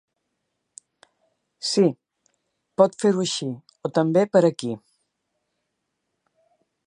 Sí, pot fer-ho així o també per aquí.